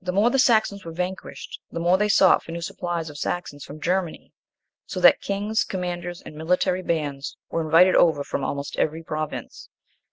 The more the Saxons were vanquished, the more they sought for new supplies of Saxons from Germany; so that kings, commanders, and military bands were invited over from almost every province.